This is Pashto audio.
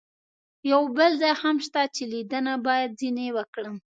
یو بل ځای هم شته چې لیدنه باید ځنې وکړم.